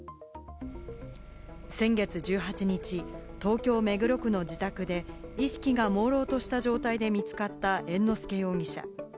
先月１８日、東京・目黒区の自宅で意識がもうろうとした状態で見つかった猿之助容疑者。